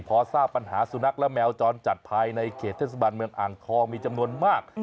พอทราบปัญหาสุนัขและแมวจรจัดภายในเขตเทศบาลเมืองอ่างทองมีจำนวนมาก